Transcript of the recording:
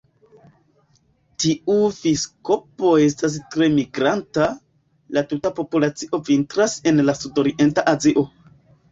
Tiu filoskopo estas tre migranta; la tuta populacio vintras en sudorienta Azio.